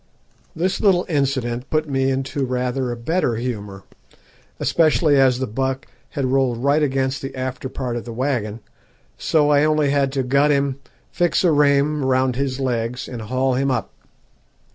This little incident put me into rather a better humour, especially as the buck had rolled right against the after part of the waggon, so I had only to gut him, fix a reim round his legs, and haul him up.